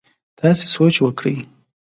تاسي سوچ وکړئ!